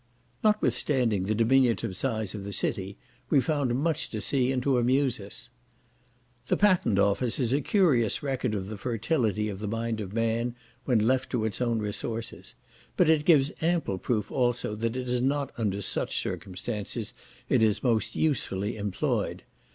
Notwithstanding the diminutive size of the city, we found much to see, and to amuse us. The patent office is a curious record of the fertility of the mind of man when left to its own resources; but it gives ample proof also that it is not under such circumstances it is most usefully employed.